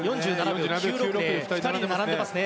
４７秒９６で２人で並んでいます。